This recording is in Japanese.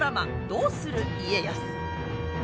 「どうする家康」。